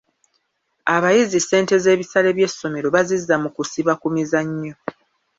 Abayizi ssente z'ebisale by'essomero bazizza mu kusiba ku mizannyo.